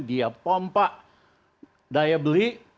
dia pompa daya beli